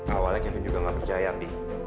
awalnya kevin juga nggak percaya fi